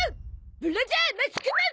ブラジャーマスクマン！